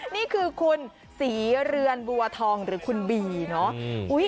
นี่คือคุณศรีเรือนบัวทองหรือคุณบีเนาะ